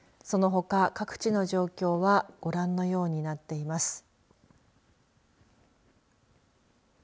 そのほか各地の状況はご覧のようになっています。